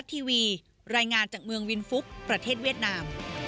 สิ่งที่ให้ชีวิตที่เลยก็ว่าได้